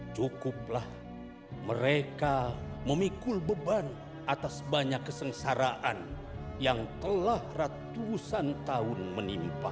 cukuplah mereka memikul beban atas banyak kesengsaraan yang telah ratusan tahun menimpa